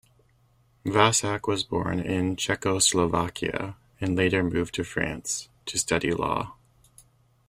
Vasak was born in Czechoslovakia and later moved to France to study law.